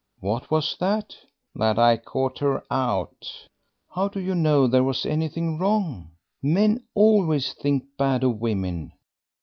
"What was that?" "That I caught her out." "How do you know there was anything wrong? Men always think bad of women."